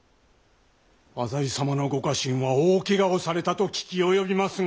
浅井様のご家臣は大けがをされたと聞き及びますが？